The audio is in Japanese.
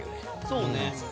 そうね。